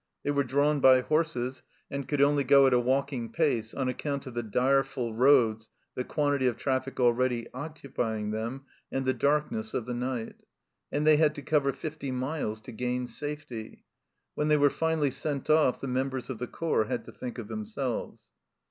They were drawn by horses, and could only go at a walking pace on account of the direful roads, the quantity of traffic already occupying them, and the darkness of the night. And they had to cover fifty miles to gain safety ! When they were finally sent off the members of the corps had to think of themselves.